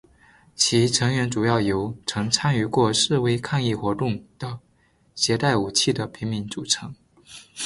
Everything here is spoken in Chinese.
其成员主要由曾参与过示威抗议活动的携带武器的平民组成。